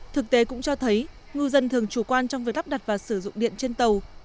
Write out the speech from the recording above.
thực tế cũng cho thấy ngư dân thường chủ quan trong việc lắp đặt và sử dụng điện trên tàu